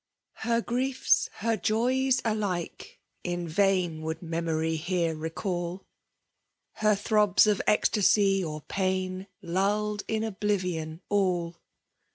Her griefs, her joys^ alike, in vain Would memory here recall ; Her throbs of ecskaty or pais Luird in oblivion all.